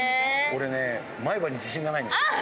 俺ね前歯に自信がないんですよ。